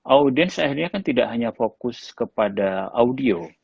audiens akhirnya kan tidak hanya fokus kepada audio